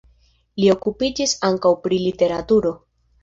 Li okupiĝis ankaŭ pri literaturo.